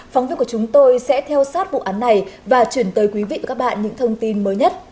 phóng viên của chúng tôi sẽ theo sát vụ án này và chuyển tới quý vị và các bạn những thông tin mới nhất